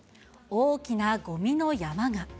大きなごみの山が。